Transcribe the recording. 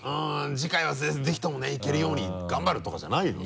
「次回はぜひとも行けるように頑張る」とかじゃないの？